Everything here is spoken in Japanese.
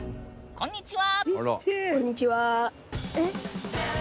こんにちは。